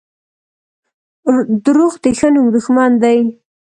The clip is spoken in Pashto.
• دروغ د ښه نوم دښمن دي.